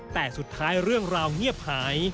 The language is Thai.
แต่สุดท้ายเรื่องราวเงียบหาย